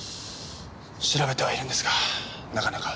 調べてはいるんですがなかなか。